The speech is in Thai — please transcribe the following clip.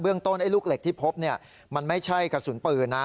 เบื้องต้นลูกเหล็กที่พบมันไม่ใช่กระสุนปืนนะ